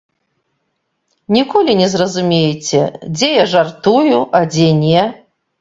Ніколі не зразумееце, дзе я жартую, а дзе не.